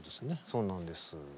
そうなんです。